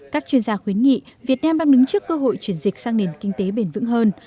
các chuyên gia khuyến nghị việt nam đang đứng trước cơ hội chuyển dịch sang nền kinh tế bền vững hơn